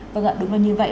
vâng ạ đúng là như vậy